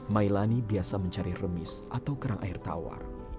mailani biasa mencari remis atau kerang air tawar